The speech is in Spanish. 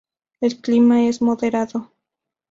El clima es moderado.